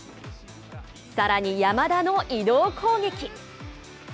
さらに山田の移動攻撃。